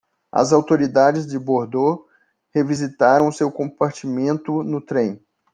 As autoridades de Bordeaux revistaram seu compartimento no trem.